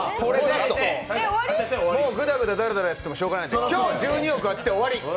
もうぐだぐだだらだらやってもしようがないので、今日１２億当てて終わり。